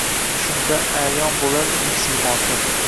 Shunda Ayon bo’lar uning siymosi